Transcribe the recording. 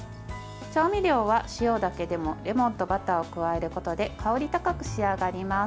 調味料は塩だけでもレモンとバターを加えることで香り高く仕上がります。